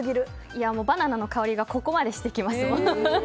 バナナの香りがここまでしてきますもんね。